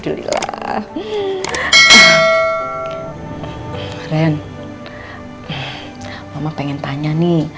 kamu tuh hubungannya sama mbak jen itu gimana sih